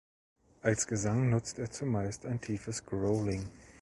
Als Gesang nutzt er zumeist ein tiefes Growling.